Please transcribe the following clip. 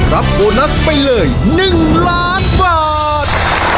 โบนัสไปเลย๑ล้านบาท